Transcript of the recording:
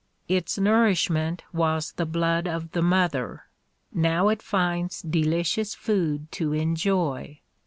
Its nourishment was the blood of the mother; now it finds delicious food to enjoy.